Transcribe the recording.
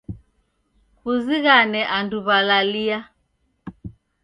Kuzighane andu w'alalia